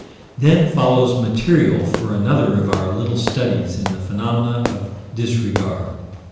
Then follows material for another of our little studies in the phenomena of disregard.